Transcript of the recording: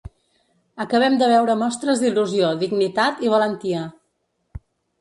Acabem de veure mostres d’il·lusió, dignitat i valentia.